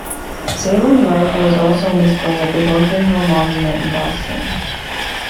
Salem's rifle is also on display at the Bunker Hill Monument in Boston.